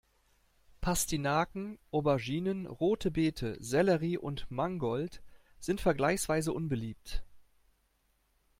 Pastinaken, Auberginen, rote Beete, Sellerie und Mangold sind vergleichsweise unbeliebt.